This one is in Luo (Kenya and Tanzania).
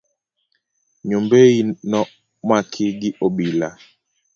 Nyombei no maki gi obila.